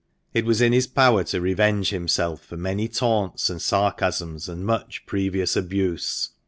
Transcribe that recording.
It was in his power to revenge himself for many taunts and sarcasms, and much previous abuse.